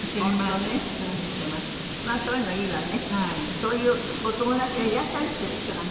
そういうお友達がいらっしゃるっていう事がね。